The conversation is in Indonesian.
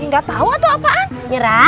gak tau atau apaan